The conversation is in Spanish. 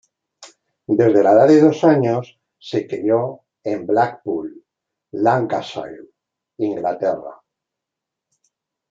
Desde la edad de dos años, se crio en Blackpool, Lancashire, Inglaterra.